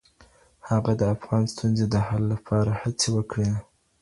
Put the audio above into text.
هغه د افغان ستونزې د حل لپاره هڅې وکړې.